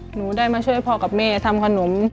หนูได้มาช่วยพ่อกับแม่ทำขนม